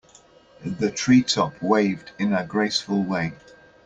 The tree top waved in a graceful way.